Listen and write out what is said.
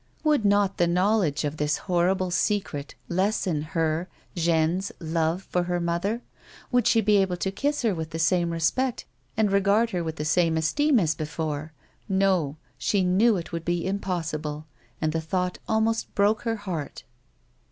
Would not the knowledge of tliis horrible secret lessen her, Jeanne's, love for her mother ? Should she be able to kiss her with the same respect, and regard her with A WOMAN'S LIFE. 161 the same esteem as before 1 No ! She knew it would be impossible ; and the thought almost broke her heart.